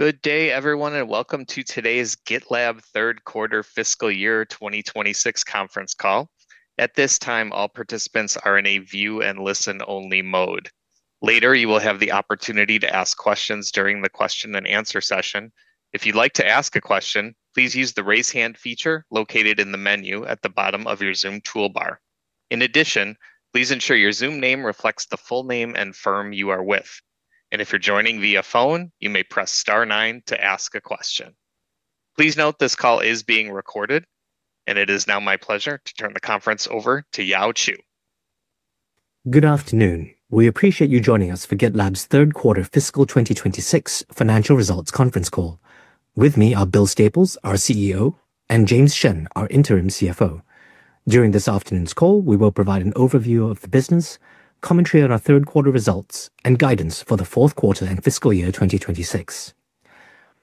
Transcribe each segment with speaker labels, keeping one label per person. Speaker 1: Good day, everyone, and welcome to today's GitLab third quarter fiscal year 2026 conference call. At this time, all participants are in a view and listen-only mode. Later, you will have the opportunity to ask questions during the question and answer session. If you'd like to ask a question, please use the raise hand feature located in the menu at the bottom of your Zoom toolbar. In addition, please ensure your Zoom name reflects the full name and firm you are with. And if you're joining via phone, you may press star nine to ask a question. Please note this call is being recorded, and it is now my pleasure to turn the conference over to Yao Chew.
Speaker 2: Good afternoon. We appreciate you joining us for GitLab's third quarter fiscal 2026 financial results conference call. With me are Bill Staples, our CEO, and James Shen, our interim CFO. During this afternoon's call, we will provide an overview of the business, commentary on our third quarter results, and guidance for the fourth quarter and fiscal year 2026.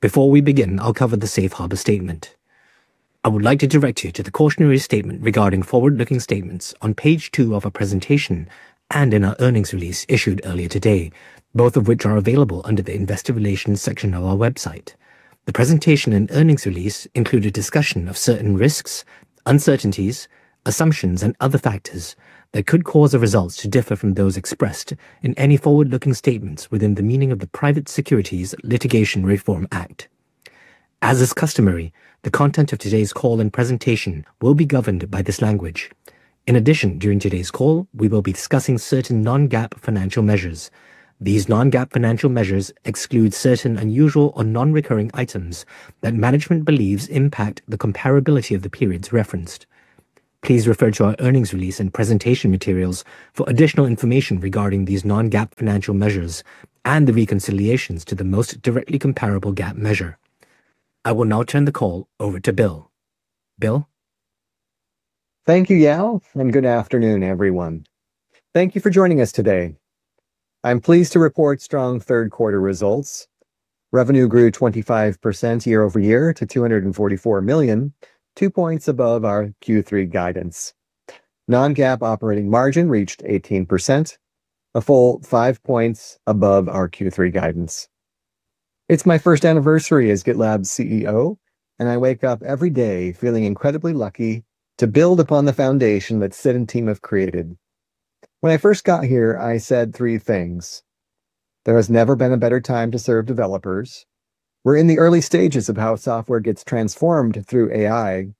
Speaker 2: Before we begin, I'll cover the safe harbor statement. I would like to direct you to the cautionary statement regarding forward-looking statements on page two of our presentation and in our earnings release issued earlier today, both of which are available under the investor relations section of our website. The presentation and earnings release include a discussion of certain risks, uncertainties, assumptions, and other factors that could cause the results to differ from those expressed in any forward-looking statements within the meaning of the Private Securities Litigation Reform Act. As is customary, the content of today's call and presentation will be governed by this language. In addition, during today's call, we will be discussing certain non-GAAP financial measures. These non-GAAP financial measures exclude certain unusual or non-recurring items that management believes impact the comparability of the periods referenced. Please refer to our earnings release and presentation materials for additional information regarding these non-GAAP financial measures and the reconciliations to the most directly comparable GAAP measure. I will now turn the call over to Bill. Bill?
Speaker 3: Thank you, Yao, and good afternoon, everyone. Thank you for joining us today. I'm pleased to report strong third quarter results. Revenue grew 25% year over year to $244 million, two points above our Q3 guidance. Non-GAAP operating margin reached 18%, a full five points above our Q3 guidance. It's my first anniversary as GitLab's CEO, and I wake up every day feeling incredibly lucky to build upon the foundation that Sid and team have created. When I first got here, I said three things. There has never been a better time to serve developers. We're in the early stages of how software gets transformed through AI,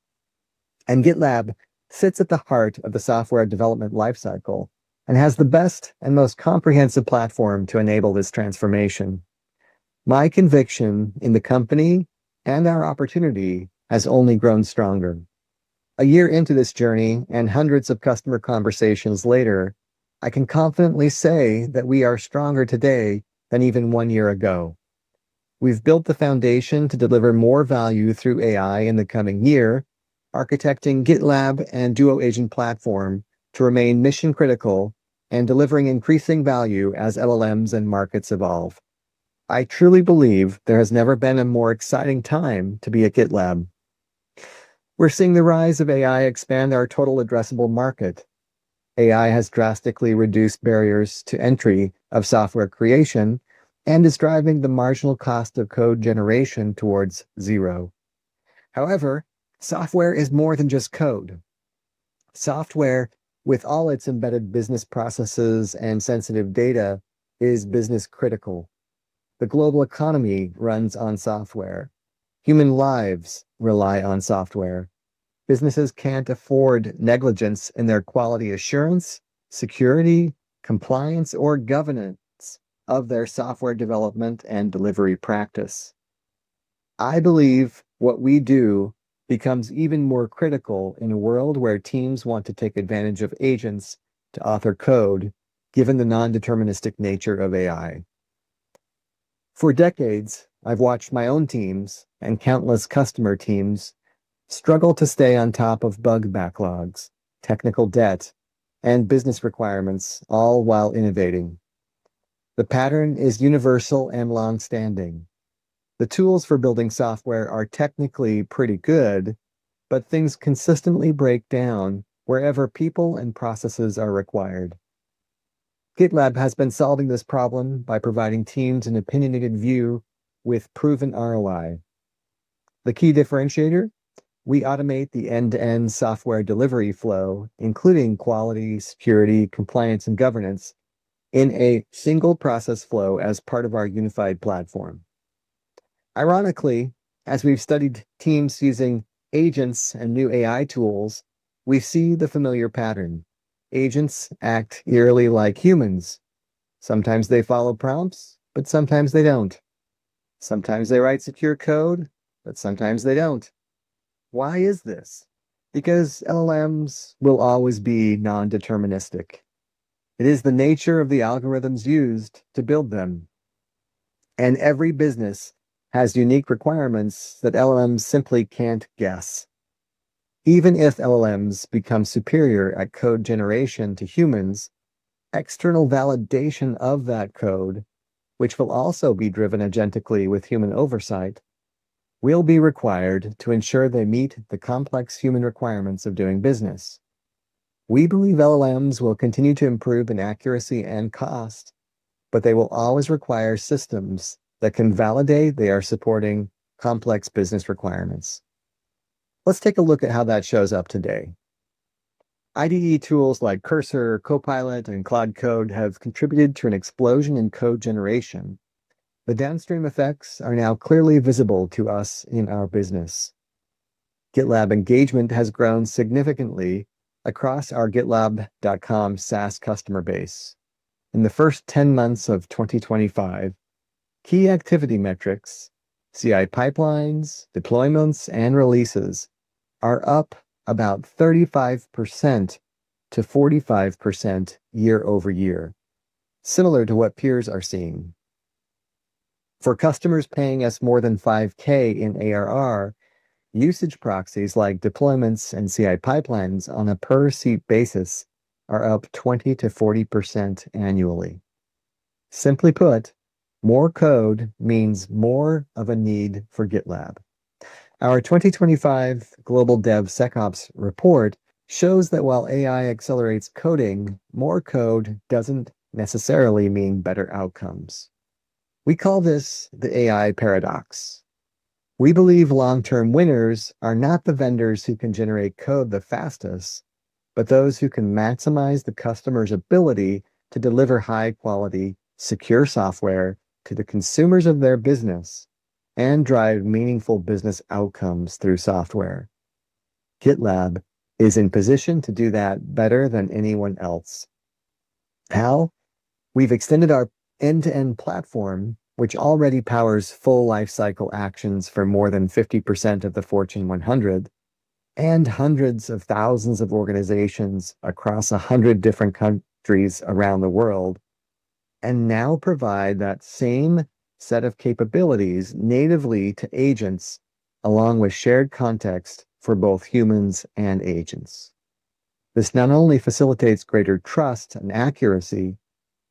Speaker 3: and GitLab sits at the heart of the software development lifecycle and has the best and most comprehensive platform to enable this transformation. My conviction in the company and our opportunity has only grown stronger. A year into this journey and hundreds of customer conversations later, I can confidently say that we are stronger today than even one year ago. We've built the foundation to deliver more value through AI in the coming year, architecting GitLab and Duo Agent platform to remain mission-critical and delivering increasing value as LLMs and markets evolve. I truly believe there has never been a more exciting time to be at GitLab. We're seeing the rise of AI expand our total addressable market. AI has drastically reduced barriers to entry of software creation and is driving the marginal cost of code generation towards zero. However, software is more than just code. Software, with all its embedded business processes and sensitive data, is business-critical. The global economy runs on software. Human lives rely on software. Businesses can't afford negligence in their quality assurance, security, compliance, or governance of their software development and delivery practice. I believe what we do becomes even more critical in a world where teams want to take advantage of agents to author code, given the non-deterministic nature of AI. For decades, I've watched my own teams and countless customer teams struggle to stay on top of bug backlogs, technical debt, and business requirements, all while innovating. The pattern is universal and long-standing. The tools for building software are technically pretty good, but things consistently break down wherever people and processes are required. GitLab has been solving this problem by providing teams an opinionated view with proven ROI. The key differentiator? We automate the end-to-end software delivery flow, including quality, security, compliance, and governance in a single process flow as part of our unified platform. Ironically, as we've studied teams using agents and new AI tools, we see the familiar pattern. Agents act eerily like humans. Sometimes they follow prompts, but sometimes they don't. Sometimes they write secure code, but sometimes they don't. Why is this? Because LLMs will always be non-deterministic. It is the nature of the algorithms used to build them. And every business has unique requirements that LLMs simply can't guess. Even if LLMs become superior at code generation to humans, external validation of that code, which will also be driven agentically with human oversight, will be required to ensure they meet the complex human requirements of doing business. We believe LLMs will continue to improve in accuracy and cost, but they will always require systems that can validate they are supporting complex business requirements. Let's take a look at how that shows up today. IDE tools like Cursor, Copilot, and Claude Code have contributed to an explosion in code generation. The downstream effects are now clearly visible to us in our business. GitLab engagement has grown significantly across our GitLab.com SaaS customer base. In the first 10 months of 2025, key activity metrics, CI pipelines, deployments, and releases are up about 35%-45% year over year, similar to what peers are seeing. For customers paying us more than $5K in ARR, usage proxies like deployments and CI pipelines on a per-seat basis are up 20%-40% annually. Simply put, more code means more of a need for GitLab. Our 2025 Global DevSecOps report shows that while AI accelerates coding, more code doesn't necessarily mean better outcomes. We call this the AI paradox. We believe long-term winners are not the vendors who can generate code the fastest, but those who can maximize the customer's ability to deliver high-quality, secure software to the consumers of their business and drive meaningful business outcomes through software. GitLab is in position to do that better than anyone else. How? We've extended our end-to-end platform, which already powers full lifecycle actions for more than 50% of the Fortune 100 and hundreds of thousands of organizations across 100 different countries around the world, and now provide that same set of capabilities natively to agents along with shared context for both humans and agents. This not only facilitates greater trust and accuracy,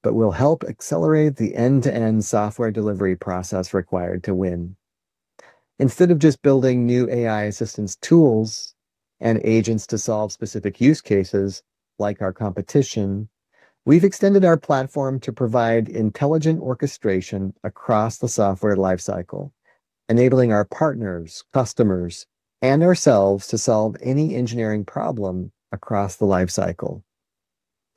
Speaker 3: but will help accelerate the end-to-end software delivery process required to win. Instead of just building new AI assistance tools and agents to solve specific use cases like our competition, we've extended our platform to provide intelligent orchestration across the software lifecycle, enabling our partners, customers, and ourselves to solve any engineering problem across the lifecycle.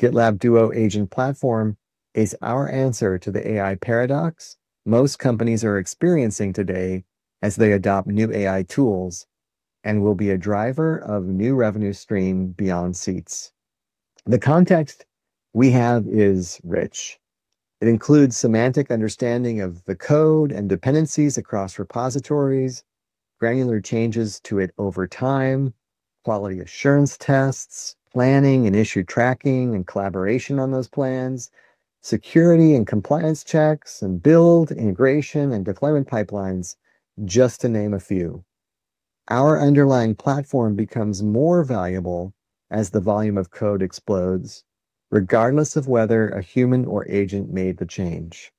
Speaker 3: GitLab Duo Agent platform is our answer to the AI paradox most companies are experiencing today as they adopt new AI tools and will be a driver of new revenue streams beyond seats. The context we have is rich. It includes semantic understanding of the code and dependencies across repositories, granular changes to it over time, quality assurance tests, planning and issue tracking and collaboration on those plans, security and compliance checks, and build, integration, and deployment pipelines, just to name a few. Our underlying platform becomes more valuable as the volume of code explodes, regardless of whether a human or agent made the change.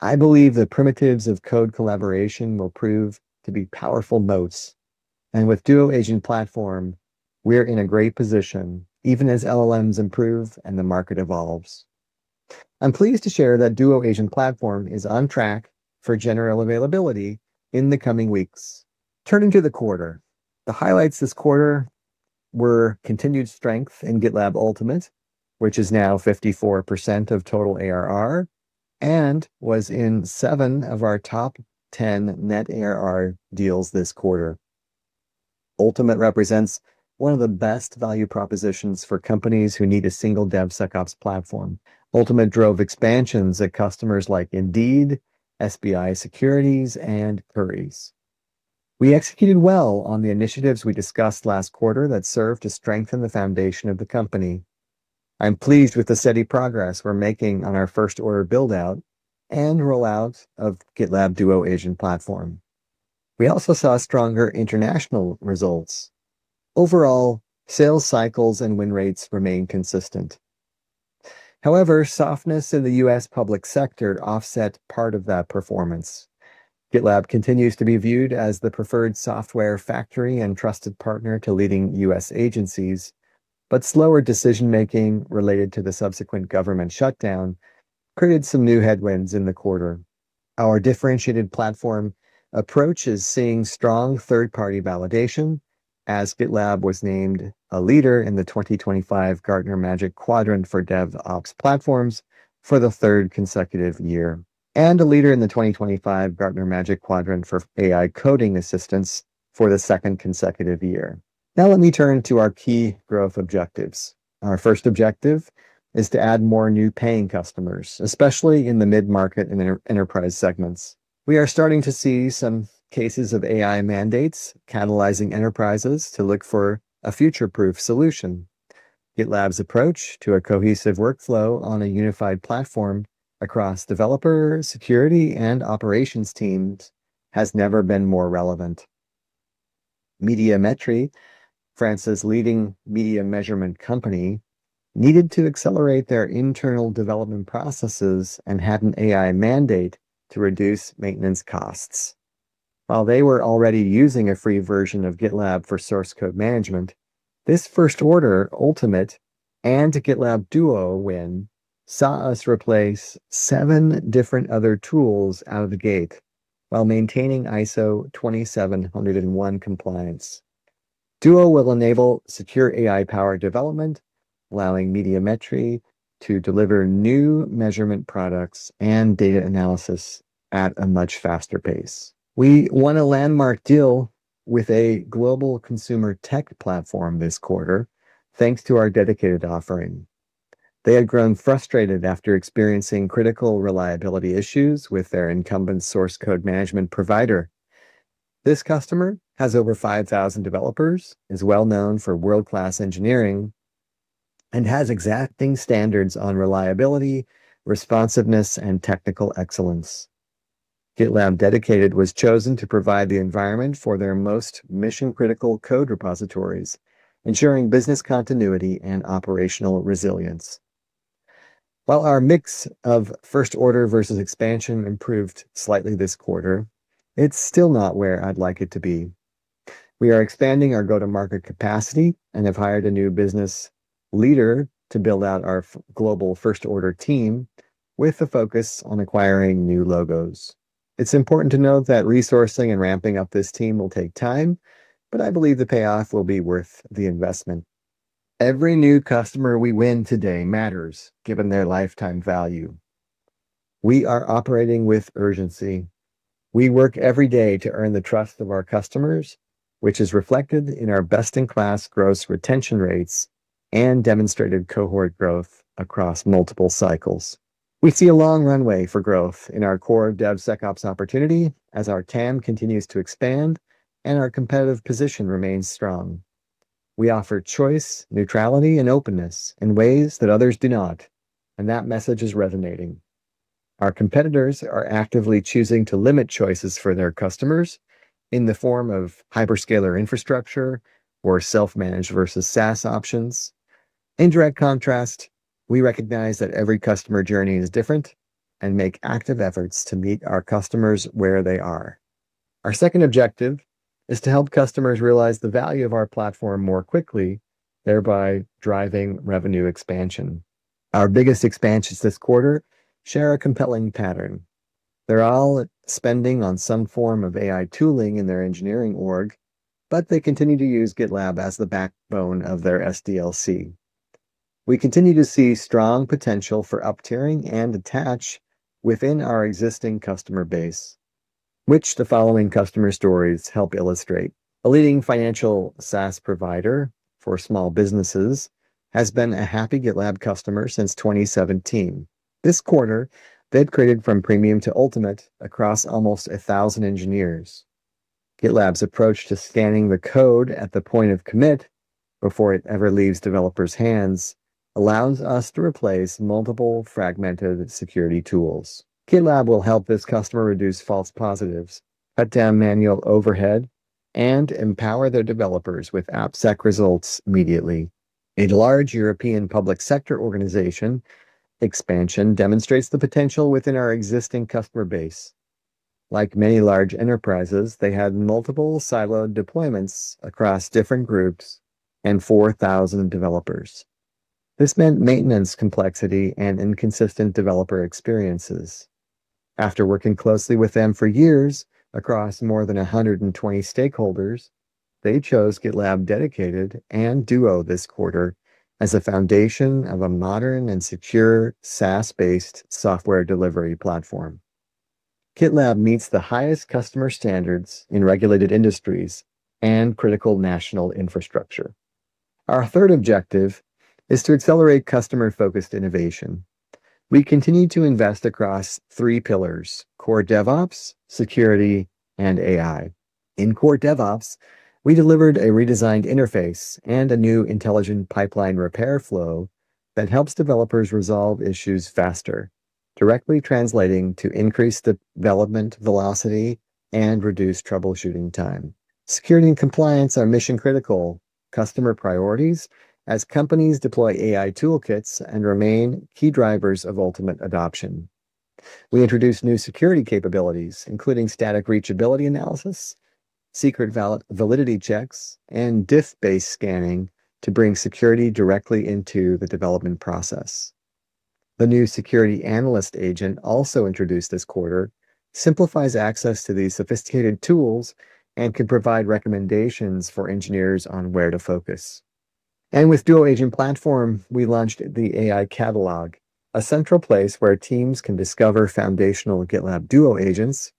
Speaker 3: I believe the primitives of code collaboration will prove to be powerful moats, and with Duo Agent platform, we're in a great position even as LLMs improve and the market evolves. I'm pleased to share that Duo Agent platform is on track for general availability in the coming weeks. Turning to the quarter, the highlights this quarter were continued strength in GitLab Ultimate, which is now 54% of total ARR and was in seven of our top 10 net ARR deals this quarter. Ultimate represents one of the best value propositions for companies who need a single DevSecOps platform. Ultimate drove expansions at customers like Indeed, SBI Securities, and Currys. We executed well on the initiatives we discussed last quarter that served to strengthen the foundation of the company. I'm pleased with the steady progress we're making on our first-order buildout and rollout of GitLab Duo Agent platform. We also saw stronger international results. Overall, sales cycles and win rates remained consistent. However, softness in the U.S. public sector offset part of that performance. GitLab continues to be viewed as the preferred software factory and trusted partner to leading U.S. agencies, but slower decision-making related to the subsequent government shutdown created some new headwinds in the quarter. Our differentiated platform approach is seeing strong third-party validation, as GitLab was named a Leader in the 2025 Gartner Magic Quadrant for DevOps Platforms for the third consecutive year, and a Leader in the 2025 Gartner Magic Quadrant for AI Code Assistants for the second consecutive year. Now let me turn to our key growth objectives. Our first objective is to add more new paying customers, especially in the mid-market and enterprise segments. We are starting to see some cases of AI mandates catalyzing enterprises to look for a future-proof solution. GitLab's approach to a cohesive workflow on a unified platform across developer, security, and operations teams has never been more relevant. Médiamétrie, France's leading media measurement company, needed to accelerate their internal development processes and had an AI mandate to reduce maintenance costs. While they were already using a free version of GitLab for source code management, this first-order Ultimate and GitLab Duo win saw us replace seven different other tools out of the gate while maintaining ISO 27001 compliance. Duo will enable secure AI-powered development, allowing Médiamétrie to deliver new measurement products and data analysis at a much faster pace. We won a landmark deal with a global consumer tech platform this quarter, thanks to our dedicated offering. They had grown frustrated after experiencing critical reliability issues with their incumbent source code management provider. This customer has over 5,000 developers, is well-known for world-class engineering, and has exacting standards on reliability, responsiveness, and technical excellence. GitLab Dedicated was chosen to provide the environment for their most mission-critical code repositories, ensuring business continuity and operational resilience. While our mix of first-order versus expansion improved slightly this quarter, it's still not where I'd like it to be. We are expanding our go-to-market capacity and have hired a new business leader to build out our global first-order team with a focus on acquiring new logos. It's important to note that resourcing and ramping up this team will take time, but I believe the payoff will be worth the investment. Every new customer we win today matters, given their lifetime value. We are operating with urgency. We work every day to earn the trust of our customers, which is reflected in our best-in-class gross retention rates and demonstrated cohort growth across multiple cycles. We see a long runway for growth in our core DevSecOps opportunity as our TAM continues to expand and our competitive position remains strong. We offer choice, neutrality, and openness in ways that others do not, and that message is resonating. Our competitors are actively choosing to limit choices for their customers in the form of hyperscaler infrastructure or self-managed versus SaaS options. In direct contrast, we recognize that every customer journey is different and make active efforts to meet our customers where they are. Our second objective is to help customers realize the value of our platform more quickly, thereby driving revenue expansion. Our biggest expansions this quarter share a compelling pattern. They're all spending on some form of AI tooling in their engineering org, but they continue to use GitLab as the backbone of their SDLC. We continue to see strong potential for up-tiering and attach within our existing customer base, which the following customer stories help illustrate. A leading financial SaaS provider for small businesses has been a happy GitLab customer since 2017. This quarter, they've created from premium to ultimate across almost 1,000 engineers. GitLab's approach to scanning the code at the point of commit before it ever leaves developers' hands allows us to replace multiple fragmented security tools. GitLab will help this customer reduce false positives, cut down manual overhead, and empower their developers with app sec results immediately. A large European public sector organization's expansion demonstrates the potential within our existing customer base. Like many large enterprises, they had multiple siloed deployments across different groups and 4,000 developers. This meant maintenance complexity and inconsistent developer experiences. After working closely with them for years across more than 120 stakeholders, they chose GitLab Dedicated and Duo this quarter as a foundation of a modern and secure SaaS-based software delivery platform. GitLab meets the highest customer standards in regulated industries and critical national infrastructure. Our third objective is to accelerate customer-focused innovation. We continue to invest across three pillars: core DevOps, security, and AI. In core DevOps, we delivered a redesigned interface and a new intelligent pipeline repair flow that helps developers resolve issues faster, directly translating to increased development velocity and reduced troubleshooting time. Security and compliance are mission-critical customer priorities as companies deploy AI toolkits and remain key drivers of ultimate adoption. We introduced new security capabilities, including static reachability analysis, secret validity checks, and diff-based scanning to bring security directly into the development process. The new Security Analyst Agent, also introduced this quarter, simplifies access to these sophisticated tools, and can provide recommendations for engineers on where to focus, and with GitLab Duo Agent platform, we launched the AI Catalog, a central place where teams can discover foundational GitLab Duo agents,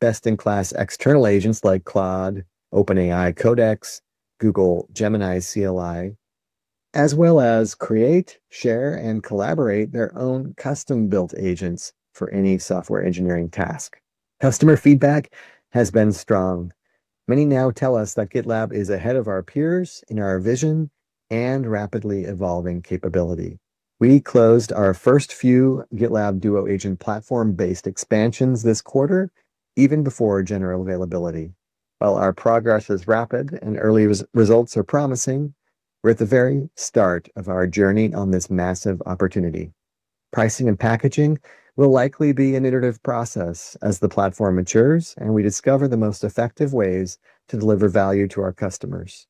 Speaker 3: best-in-class external agents like Claude, OpenAI Codex, Google Gemini CLI, as well as create, share, and collaborate their own custom-built agents for any software engineering task. Customer feedback has been strong. Many now tell us that GitLab is ahead of our peers in our vision and rapidly evolving capability. We closed our first few GitLab Duo Agent platform-based expansions this quarter, even before general availability. While our progress is rapid and early results are promising, we're at the very start of our journey on this massive opportunity. Pricing and packaging will likely be an iterative process as the platform matures and we discover the most effective ways to deliver value to our customers.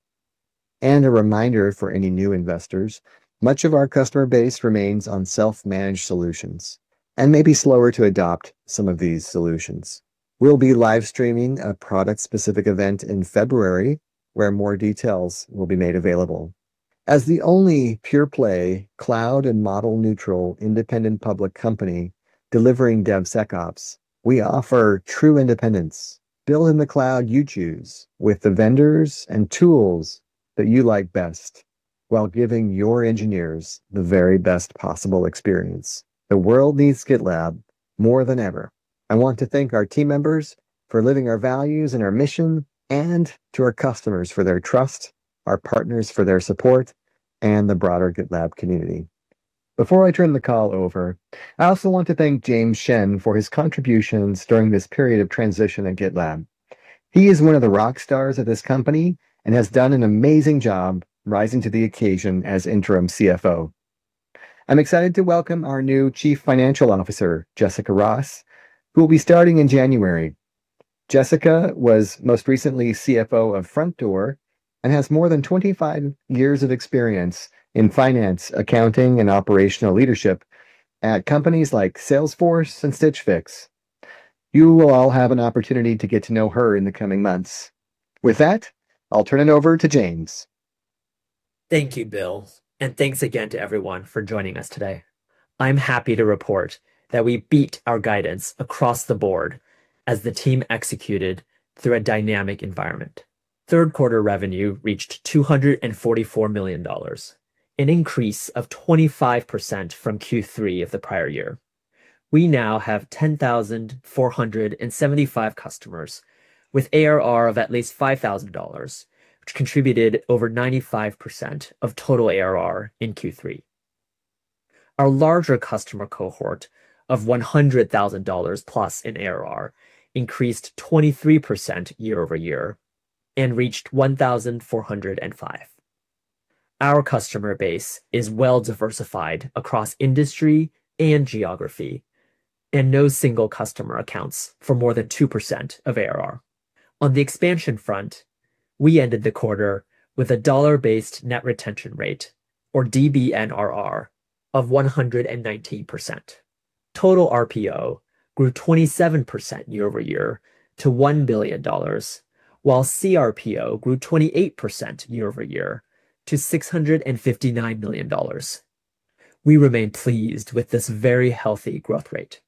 Speaker 3: A reminder for any new investors, much of our customer base remains on self-managed solutions and may be slower to adopt some of these solutions. We'll be live streaming a product-specific event in February where more details will be made available. As the only pure-play cloud and model-neutral independent public company delivering DevSecOps, we offer true independence. Build in the cloud you choose with the vendors and tools that you like best while giving your engineers the very best possible experience. The world needs GitLab more than ever. I want to thank our team members for living our values and our mission and to our customers for their trust, our partners for their support, and the broader GitLab community. Before I turn the call over, I also want to thank James Shen for his contributions during this period of transition at GitLab. He is one of the rock stars of this company and has done an amazing job rising to the occasion as interim CFO. I'm excited to welcome our new Chief Financial Officer, Jessica Ross, who will be starting in January. Jessica was most recently CFO of Frontdoor and has more than 25 years of experience in finance, accounting, and operational leadership at companies like Salesforce and Stitch Fix. You will all have an opportunity to get to know her in the coming months. With that, I'll turn it over to James.
Speaker 4: Thank you, Bill, and thanks again to everyone for joining us today. I'm happy to report that we beat our guidance across the board as the team executed through a dynamic environment. Third-quarter revenue reached $244 million, an increase of 25% from Q3 of the prior year. We now have 10,475 customers with ARR of at least $5,000, which contributed over 95% of total ARR in Q3. Our larger customer cohort of $100,000 plus in ARR increased 23% year over year and reached 1,405. Our customer base is well-diversified across industry and geography and no single customer accounts for more than 2% of ARR. On the expansion front, we ended the quarter with a dollar-based net retention rate, or DBNRR, of 119%. Total RPO grew 27% year over year to $1 billion, while cRPO grew 28% year over year to $659 million. We remain pleased with this very healthy growth rate.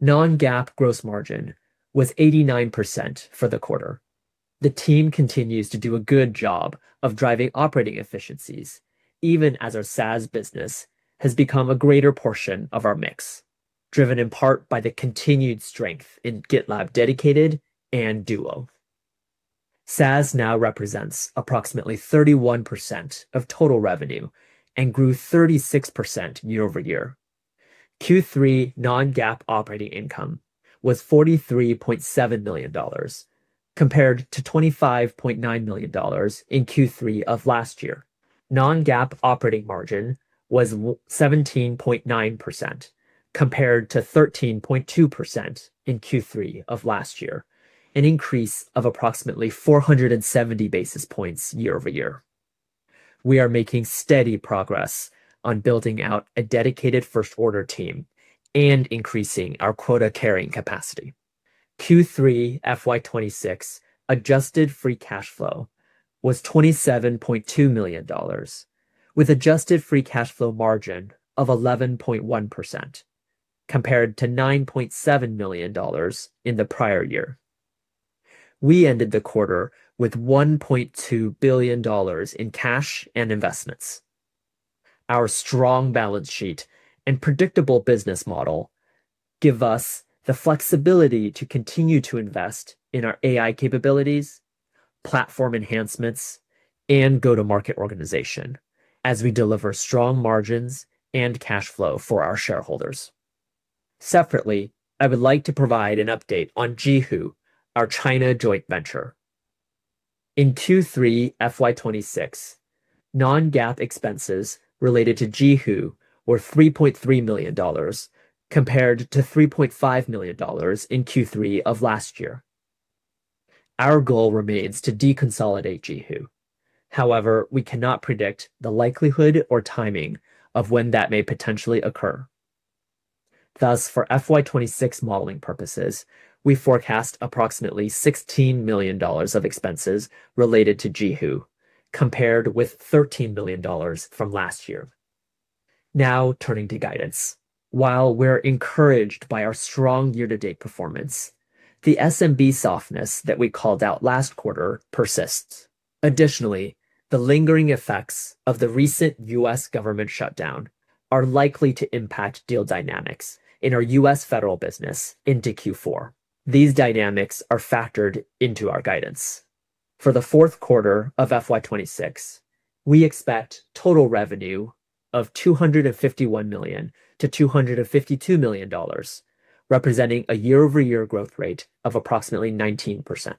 Speaker 4: Non-GAAP gross margin was 89% for the quarter. The team continues to do a good job of driving operating efficiencies, even as our SaaS business has become a greater portion of our mix, driven in part by the continued strength in GitLab Dedicated and Duo. SaaS now represents approximately 31% of total revenue and grew 36% year over year. Q3 non-GAAP operating income was $43.7 million, compared to $25.9 million in Q3 of last year. Non-GAAP operating margin was 17.9%, compared to 13.2% in Q3 of last year, an increase of approximately 470 basis points year over year. We are making steady progress on building out a dedicated first-order team and increasing our quota carrying capacity. Q3 FY26 adjusted free cash flow was $27.2 million, with adjusted free cash flow margin of 11.1%, compared to $9.7 million in the prior year. We ended the quarter with $1.2 billion in cash and investments. Our strong balance sheet and predictable business model give us the flexibility to continue to invest in our AI capabilities, platform enhancements, and go-to-market organization as we deliver strong margins and cash flow for our shareholders. Separately, I would like to provide an update on JiHu, our China joint venture. In Q3 FY 2026, non-GAAP expenses related to JiHu were $3.3 million, compared to $3.5 million in Q3 of last year. Our goal remains to deconsolidate JiHu. However, we cannot predict the likelihood or timing of when that may potentially occur. Thus, for FY 2026 modeling purposes, we forecast approximately $16 million of expenses related to JiHu, compared with $13 million from last year. Now, turning to guidance. While we're encouraged by our strong year-to-date performance, the SMB softness that we called out last quarter persists. Additionally, the lingering effects of the recent U.S. government shutdown are likely to impact deal dynamics in our U.S. federal business into Q4. These dynamics are factored into our guidance. For the fourth quarter of FY26, we expect total revenue of $251-$252 million, representing a year-over-year growth rate of approximately 19%.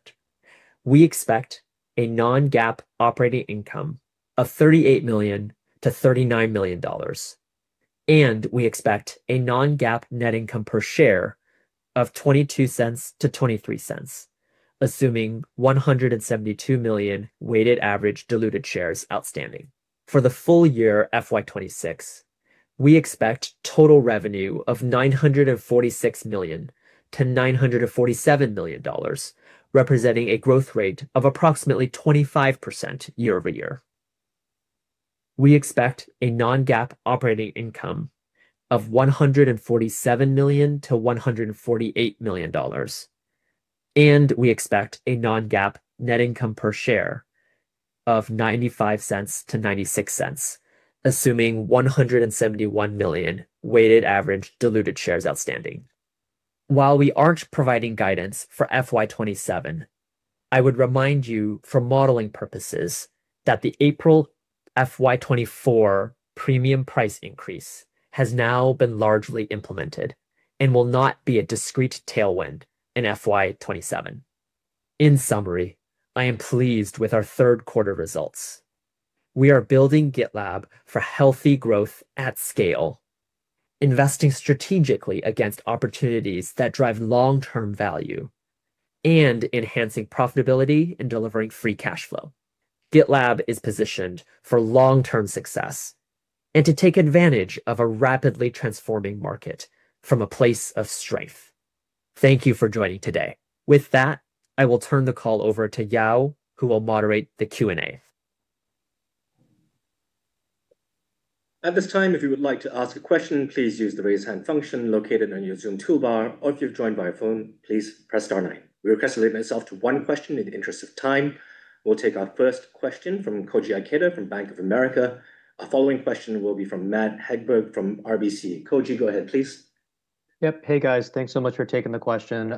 Speaker 4: We expect a non-GAAP operating income of $38-$39 million. And we expect a non-GAAP net income per share of $0.22-$0.23, assuming 172 million weighted average diluted shares outstanding. For the full year FY 2026, we expect total revenue of $946-$947 million, representing a growth rate of approximately 25% year over year. We expect a non-GAAP operating income of $147-$148 million. And we expect a non-GAAP net income per share of $0.95-$0.96, assuming 171 million weighted average diluted shares outstanding. While we aren't providing guidance for FY 2027, I would remind you for modeling purposes that the April FY 2024 premium price increase has now been largely implemented and will not be a discrete tailwind in FY 2027. In summary, I am pleased with our third-quarter results. We are building GitLab for healthy growth at scale, investing strategically against opportunities that drive long-term value, and enhancing profitability and delivering free cash flow. GitLab is positioned for long-term success and to take advantage of a rapidly transforming market from a place of strength. Thank you for joining today. With that, I will turn the call over to Yao, who will moderate the Q&A.
Speaker 2: At this time, if you would like to ask a question, please use the raise hand function located on your Zoom toolbar, or if you're joined by phone, please press star nine. We request to limit ourselves to one question in the interest of time. We'll take our first question from Koji Ikeda from Bank of America. Our following question will be from Matt Hedberg from RBC. Koji, go ahead, please.
Speaker 5: Yep. Hey, guys. Thanks so much for taking the question.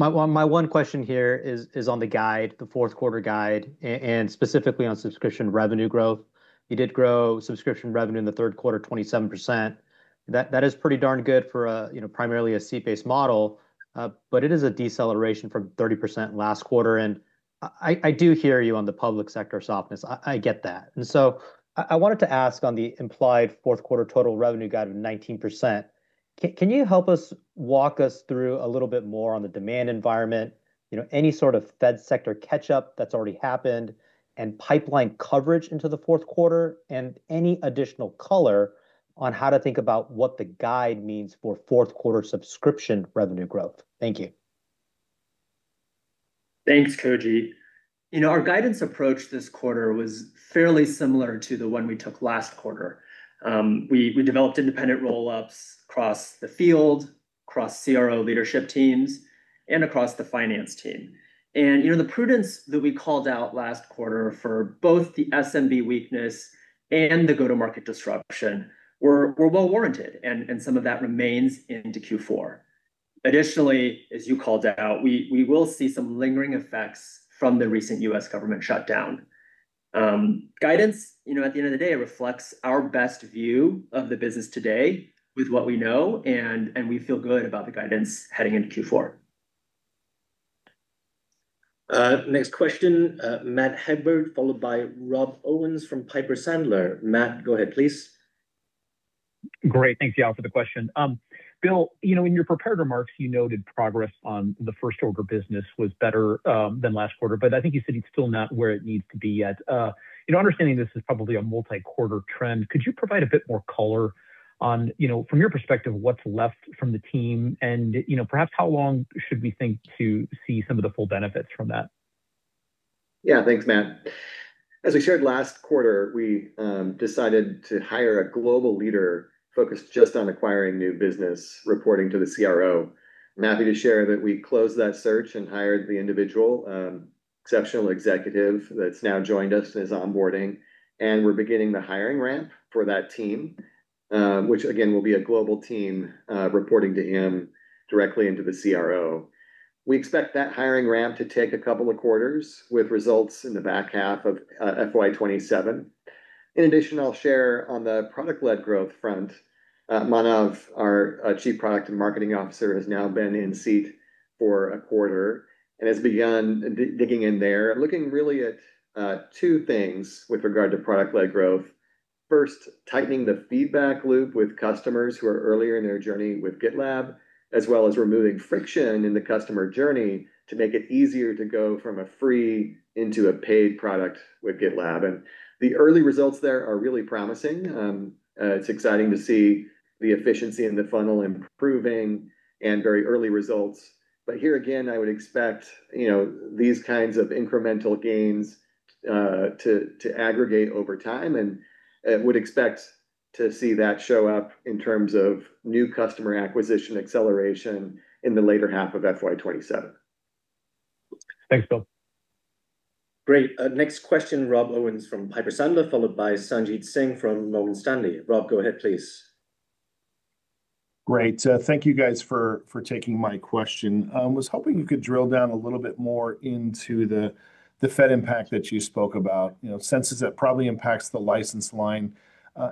Speaker 5: My one question here is on the guide, the fourth quarter guide, and specifically on subscription revenue growth. You did grow subscription revenue in the third quarter 27%. That is pretty darn good for a, you know, primarily a seat-based model, but it is a deceleration from 30% last quarter. And I do hear you on the public sector softness. I get that. And so I wanted to ask on the implied fourth quarter total revenue guide of 19%. Can you help us walk us through a little bit more on the demand environment, you know, any sort of federal sector catch-up that's already happened, and pipeline coverage into the fourth quarter, and any additional color on how to think about what the guide means for fourth quarter subscription revenue growth? Thank you.
Speaker 4: Thanks, Koji. You know, our guidance approach this quarter was fairly similar to the one we took last quarter. We developed independent roll-ups across the field, across CRO leadership teams, and across the finance team. And you know, the prudence that we called out last quarter for both the SMB weakness and the go-to-market disruption were well-warranted, and some of that remains into Q4. Additionally, as you called out, we will see some lingering effects from the recent U.S. government shutdown. Guidance, you know, at the end of the day, reflects our best view of the business today with what we know, and we feel good about the guidance heading into Q4.
Speaker 2: Next question, Matt Hedberg, followed by Rob Owens from Piper Sandler. Matt, go ahead, please.
Speaker 6: Great. Thanks, Yao, for the question. Bill, you know, in your prepared remarks, you noted progress on the first-order business was better than last quarter, but I think you said it's still not where it needs to be yet. In understanding this is probably a multi-quarter trend, could you provide a bit more color on, you know, from your perspective, what's left from the team, and you know, perhaps how long should we think to see some of the full benefits from that?
Speaker 3: Yeah, thanks, Matt. As we shared last quarter, we decided to hire a global leader focused just on acquiring new business reporting to the CRO. I'm happy to share that we closed that search and hired the individual, exceptional executive that's now joined us and is onboarding, and we're beginning the hiring ramp for that team, which again will be a global team, reporting to him directly into the CRO. We expect that hiring ramp to take a couple of quarters with results in the back half of FY 2027. In addition, I'll share on the product-led growth front. Manav, our Chief Product and Marketing Officer, has now been in seat for a quarter and has begun digging in there, looking really at two things with regard to product-led growth. First, tightening the feedback loop with customers who are earlier in their journey with GitLab, as well as removing friction in the customer journey to make it easier to go from a free into a paid product with GitLab. And the early results there are really promising. It's exciting to see the efficiency in the funnel improving and very early results. But here again, I would expect, you know, these kinds of incremental gains, to aggregate over time, and I would expect to see that show up in terms of new customer acquisition acceleration in the later half of FY 2027.
Speaker 6: Thanks, Bill.
Speaker 2: Great. Next question, Rob Owens from Piper Sandler, followed by Sanjit Singh from Morgan Stanley. Rob, go ahead, please.
Speaker 7: Great. Thank you, guys, for taking my question. I was hoping you could drill down a little bit more into the Fed impact that you spoke about, you know, since that probably impacts the license line.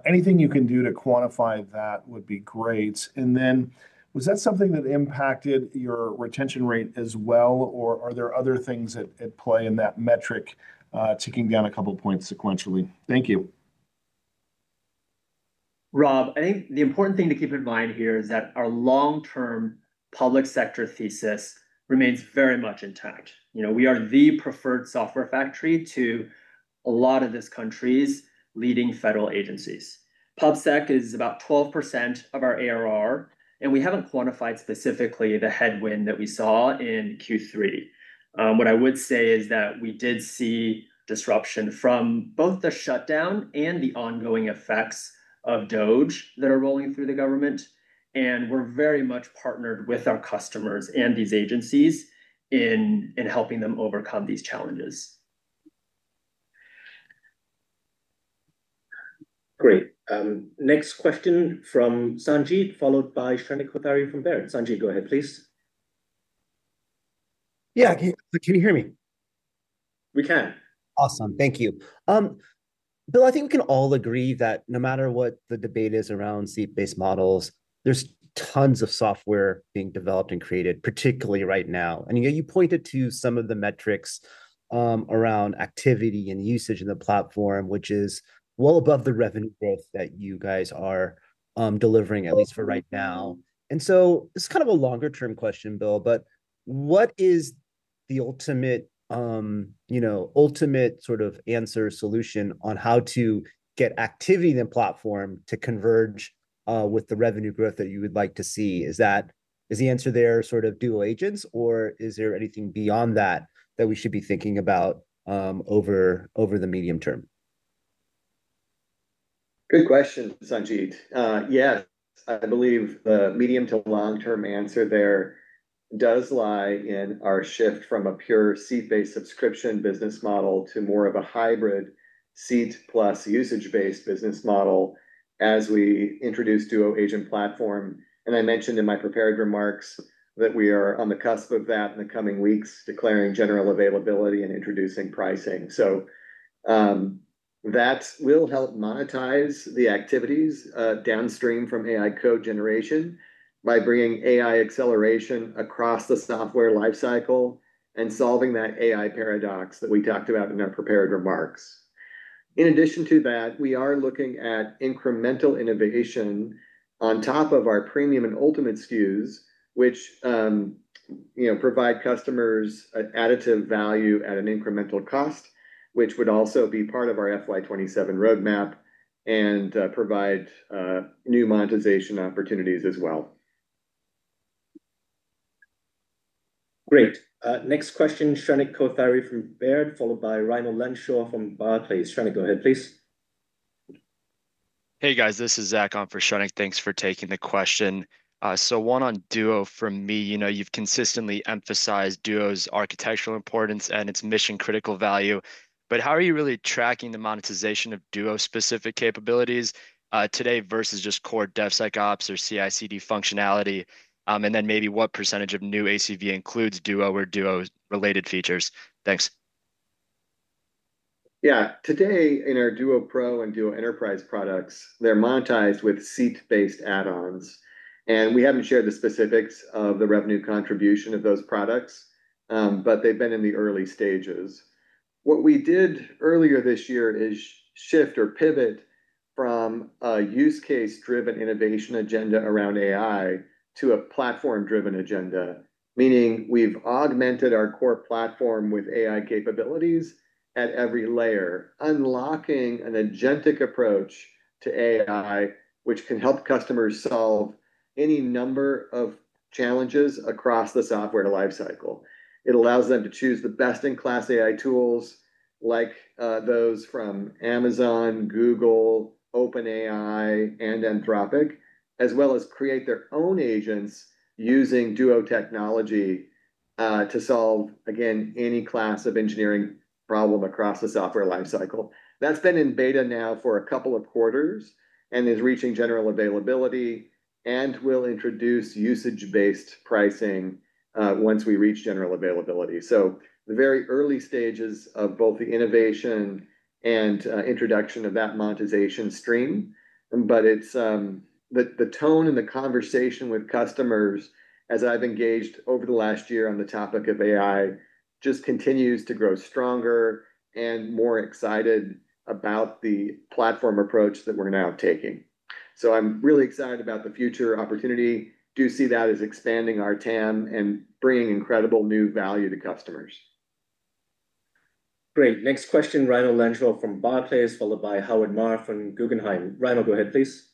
Speaker 7: Anything you can do to quantify that would be great. And then, was that something that impacted your retention rate as well, or are there other things at play in that metric, ticking down a couple points sequentially? Thank you.
Speaker 4: Rob, I think the important thing to keep in mind here is that our long-term public sector thesis remains very much intact. You know, we are the preferred software factory to a lot of this country's leading federal agencies. PubSec is about 12% of our ARR, and we haven't quantified specifically the headwind that we saw in Q3. What I would say is that we did see disruption from both the shutdown and the ongoing effects of DOGE that are rolling through the government, and we're very much partnered with our customers and these agencies in helping them overcome these challenges.
Speaker 2: Great. Next question from Sanjit, followed by Shrenik Kothari from Baird. Sanjit, go ahead, please.
Speaker 8: Yeah, can you hear me?
Speaker 4: We can.
Speaker 8: Awesome. Thank you. Bill, I think we can all agree that no matter what the debate is around seat-based models, there's tons of software being developed and created, particularly right now, and you know, you pointed to some of the metrics around activity and usage in the platform, which is well above the revenue growth that you guys are delivering, at least for right now. And so this is kind of a longer-term question, Bill, but what is the ultimate, you know, ultimate sort of answer solution on how to get activity in the platform to converge, with the revenue growth that you would like to see? Is that the answer there sort of Duo agents, or is there anything beyond that that we should be thinking about, over the medium term?
Speaker 3: Good question, Sanjit. Yes, I believe the medium to long-term answer there does lie in our shift from a pure seat-based subscription business model to more of a hybrid seat plus usage-based business model as we introduce Duo Agent platform. And I mentioned in my prepared remarks that we are on the cusp of that in the coming weeks, declaring general availability and introducing pricing. So that will help monetize the activities downstream from AI code generation by bringing AI acceleration across the software lifecycle and solving that AI paradox that we talked about in our prepared remarks. In addition to that, we are looking at incremental innovation on top of our premium and ultimate SKUs, which, you know, provide customers additive value at an incremental cost, which would also be part of our FY 2027 roadmap and provide new monetization opportunities as well.
Speaker 2: Great. Next question, Shrenik Kothari from Baird, followed by Raimo Lenschow from Barclays. Shrenik, go ahead, please. Hey, guys, this is Zachon for Shrenik. Thanks for taking the question. So one on Duo from me. You know, you've consistently emphasized Duo's architectural importance and its mission-critical value, but how are you really tracking the monetization of Duo-specific capabilities, today versus just core DevSecOps or CI/CD functionality? And then maybe what percentage of new ACV includes Duo or Duo-related features? Thanks.
Speaker 3: Yeah, today in our Duo Pro and Duo Enterprise products, they're monetized with seat-based add-ons, and we haven't shared the specifics of the revenue contribution of those products, but they've been in the early stages. What we did earlier this year is shift or pivot from a use-case-driven innovation agenda around AI to a platform-driven agenda, meaning we've augmented our core platform with AI capabilities at every layer, unlocking an agentic approach to AI, which can help customers solve any number of challenges across the software lifecycle. It allows them to choose the best-in-class AI tools, like those from Amazon, Google, OpenAI, and Anthropic, as well as create their own agents using Duo technology, to solve, again, any class of engineering problem across the software lifecycle. That's been in beta now for a couple of quarters and is reaching general availability and will introduce usage-based pricing, once we reach general availability. So the very early stages of both the innovation and introduction of that monetization stream, but it's the tone and the conversation with customers, as I've engaged over the last year on the topic of AI, just continues to grow stronger and more excited about the platform approach that we're now taking. So I'm really excited about the future opportunity. Do see that as expanding our TAM and bringing incredible new value to customers.
Speaker 2: Great. Next question, Raimo Lenschow from Barclays, followed by Howard Ma from Guggenheim. Raimo, go ahead, please.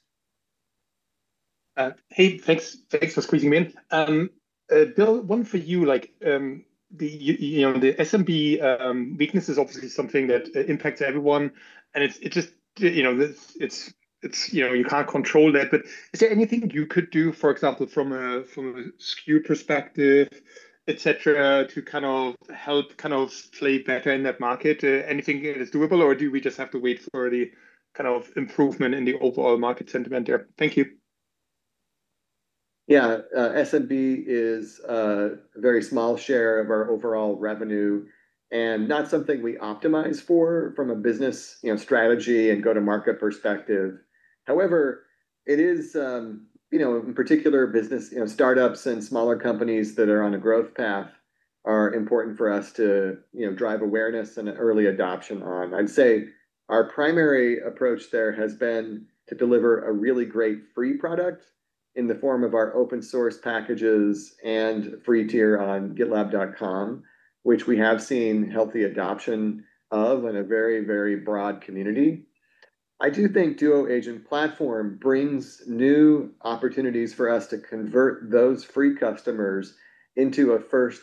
Speaker 9: Hey, thanks for squeezing me in. Bill, one for you, like, the, you know, the SMB weakness is obviously something that impacts everyone, and it's just, you know, you can't control that, but is there anything you could do, for example, from a SKU perspective, etc., to kind of help play better in that market? Anything that is doable, or do we just have to wait for the kind of improvement in the overall market sentiment there? Thank you.
Speaker 3: Yeah, SMB is a very small share of our overall revenue and not something we optimize for from a business, you know, strategy and go-to-market perspective. However, it is, you know, in particular, business, you know, startups and smaller companies that are on a growth path are important for us to, you know, drive awareness and early adoption on. I'd say our primary approach there has been to deliver a really great free product in the form of our open-source packages and free tier on GitLab.com, which we have seen healthy adoption of in a very, very broad community. I do think Duo Agent Platform brings new opportunities for us to convert those free customers into a first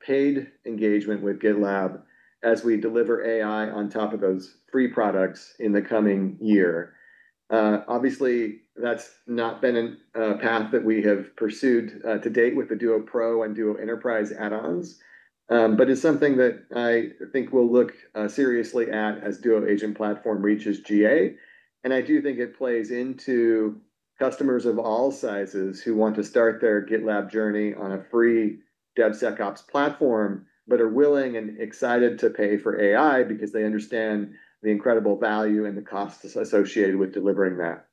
Speaker 3: paid engagement with GitLab as we deliver AI on top of those free products in the coming year. Obviously, that's not been a path that we have pursued, to date with the Duo Pro and Duo Enterprise add-ons, but it's something that I think we'll look, seriously at as Duo Agent Platform reaches GA. I do think it plays into customers of all sizes who want to start their GitLab journey on a free DevSecOps platform but are willing and excited to pay for AI because they understand the incredible value and the cost associated with delivering that.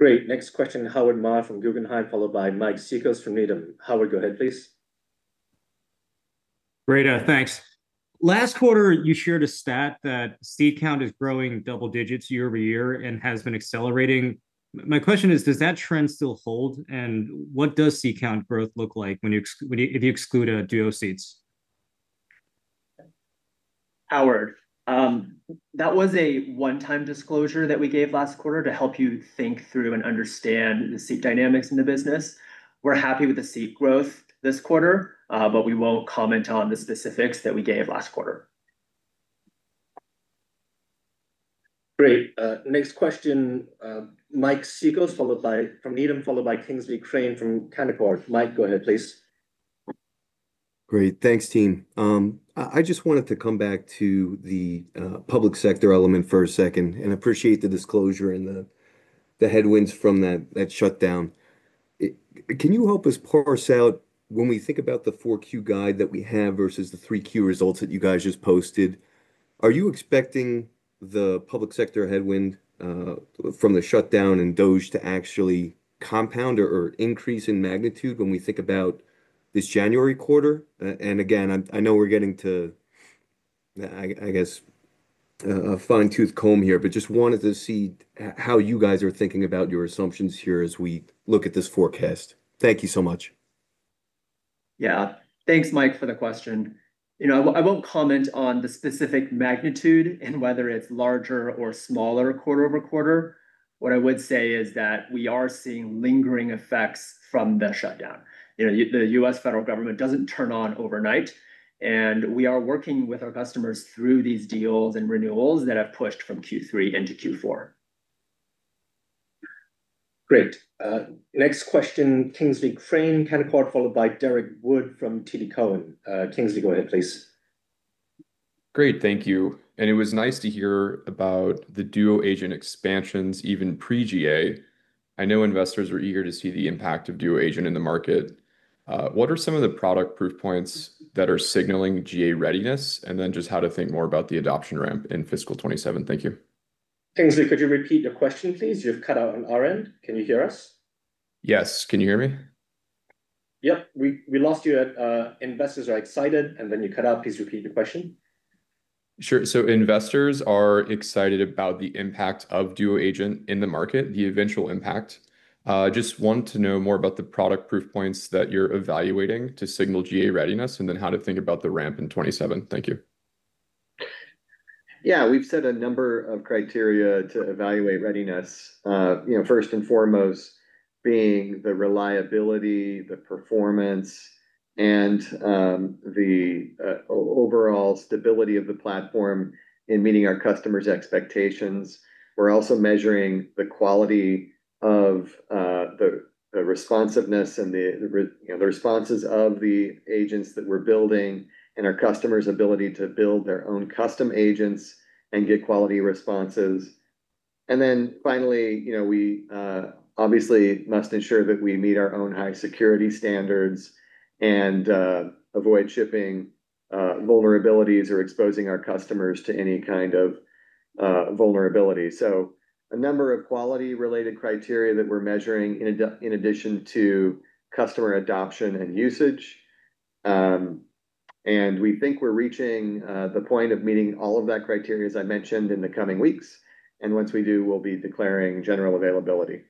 Speaker 2: Great. Next question, Howard Ma from Guggenheim, followed by Mike Cikos from Needham. Howard, go ahead, please.
Speaker 10: Great, thanks. Last quarter, you shared a stat that seat count is growing double digits year over year and has been accelerating. My question is, does that trend still hold, and what does seat count growth look like when you, if you exclude Duo seats?
Speaker 4: Howard, that was a one-time disclosure that we gave last quarter to help you think through and understand the seat dynamics in the business. We're happy with the seed growth this quarter, but we won't comment on the specifics that we gave last quarter.
Speaker 2: Great. Next question, Mike Cikos from Needham, followed by Kingsley Crane from Canaccord. Mike, go ahead, please.
Speaker 11: Great, thanks, team. I just wanted to come back to the public sector element for a second and appreciate the disclosure and the headwinds from that shutdown. Can you help us parse out when we think about the 4Q guide that we have versus the 3Q results that you guys just posted, are you expecting the public sector headwind from the shutdown and DOGE to actually compound or increase in magnitude when we think about this January quarter? And again, I know we're getting to, I guess, a fine-tooth comb here, but just wanted to see how you guys are thinking about your assumptions here as we look at this forecast. Thank you so much.
Speaker 4: Yeah, thanks, Mike, for the question. You know, I won't comment on the specific magnitude and whether it's larger or smaller quarter over quarter. What I would say is that we are seeing lingering effects from the shutdown. You know, the U.S. federal government doesn't turn on overnight, and we are working with our customers through these deals and renewals that have pushed from Q3 into Q4.
Speaker 2: Great. Next question, Kingsley Crane, Canaccord, followed by Derrick Wood from TD Cowen. Kingsley, go ahead, please. Great, thank you. And it was nice to hear about the Duo Agent expansions even pre-GA.
Speaker 12: I know investors are eager to see the impact of Duo Agent in the market. What are some of the product proof points that are signaling GA readiness, and then just how to think more about the adoption ramp in fiscal 2027? Thank you.
Speaker 2: Kingsley, could you repeat your question, please? You've cut out on our end. Can you hear us?
Speaker 12: Yes, can you hear me?
Speaker 2: Yep, we lost you at, investors are excited, and then you cut out. Please repeat your question.
Speaker 12: Sure, so investors are excited about the impact of Duo Agent in the market, the eventual impact. Just want to know more about the product proof points that you're evaluating to signal GA readiness, and then how to think about the ramp in 2027. Thank you.
Speaker 3: Yeah, we've set a number of criteria to evaluate readiness. You know, first and foremost being the reliability, the performance, and the overall stability of the platform in meeting our customers' expectations. We're also measuring the quality of the responsiveness and the responses of the agents that we're building and our customers' ability to build their own custom agents and get quality responses. And then finally, you know, we obviously must ensure that we meet our own high security standards and avoid shipping vulnerabilities or exposing our customers to any kind of vulnerability. So a number of quality-related criteria that we're measuring in addition to customer adoption and usage. And we think we're reaching the point of meeting all of that criteria, as I mentioned, in the coming weeks. And once we do, we'll be declaring general availability.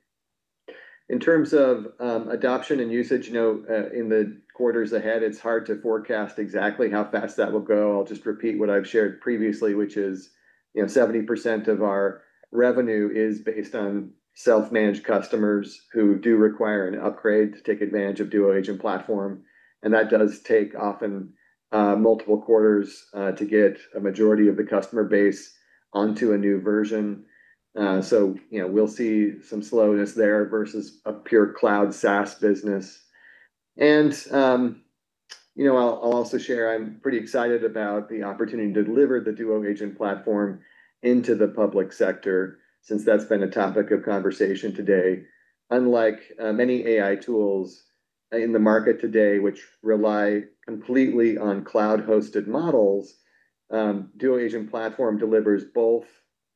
Speaker 3: In terms of adoption and usage, you know, in the quarters ahead, it's hard to forecast exactly how fast that will go. I'll just repeat what I've shared previously, which is, you know, 70% of our revenue is based on self-managed customers who do require an upgrade to take advantage of Duo Agent Platform. And that does take often multiple quarters to get a majority of the customer base onto a new version. So, you know, we'll see some slowness there versus a pure cloud SaaS business. And, you know, I'll also share I'm pretty excited about the opportunity to deliver the Duo Agent Platform into the public sector since that's been a topic of conversation today. Unlike many AI tools in the market today, which rely completely on cloud-hosted models, Duo Agent Platform delivers both